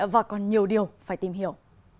và còn nhiều điều phải tìm hiểu